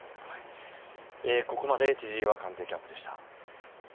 ここまで千々岩官邸キャップでした。